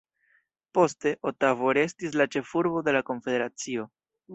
Poste, Otavo restis la ĉefurbo de la konfederacio.